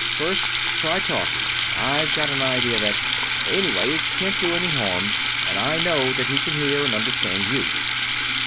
First, try talking. I've got an idea that ... anyway, it can't do any harm, and I know that he can hear and understand you."